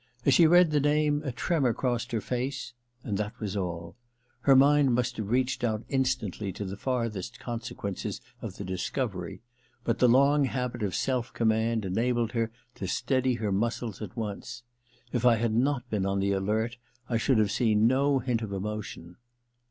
As she read the name a tremor crossed her face ; and that was all. Her mind must have reached out instantly to the farthest consequences of the discovery, but the long habit or self command enabled her to steady her muscles at once. If I had not been II THE LETTER 255 on the alert I should have seen no hint of emotion.